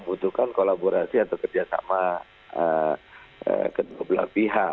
butuhkan kolaborasi atau kerjasama kedua belah pihak